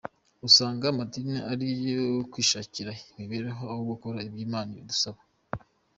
Usanga amadini ari ayo kwishakira imibereho, aho gukora ibyo imana idusaba.